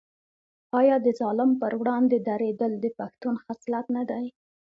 آیا د ظالم پر وړاندې دریدل د پښتون خصلت نه دی؟